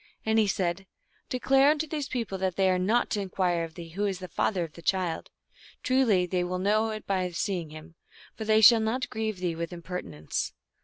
And he said, " Declare unto these peo ple that they are not to inquire of thee who is the father of thy child ; truly they will all know it by see ing him, for they shall not grieve thee with imperti nence."